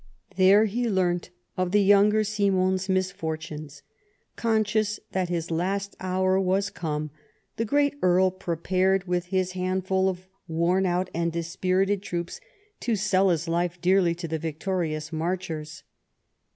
There he learnt of the younger Simon's misfortunes. Conscious that his last hour was come, the great Earl prepared with his handful of worn out and dispirited troops to sell his life dearly to the victorious Marchers.